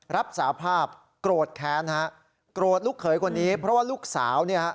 รับสาภาพโกรธแค้นฮะโกรธลูกเขยคนนี้เพราะว่าลูกสาวเนี่ยฮะ